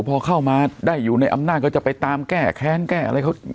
พอเข้ามาได้อยู่ในอำนาจก็จะไปตามแก้แค้นแก้อะไรเขา